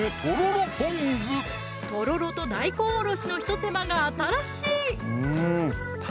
とろろと大根おろしの一手間が新しい！